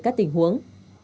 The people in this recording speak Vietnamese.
các tình huống